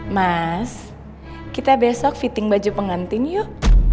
mas kita besok fitting baju pengantin yuk